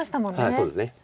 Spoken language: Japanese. そうですね。